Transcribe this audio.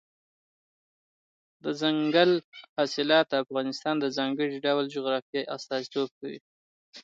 دځنګل حاصلات د افغانستان د ځانګړي ډول جغرافیه استازیتوب کوي.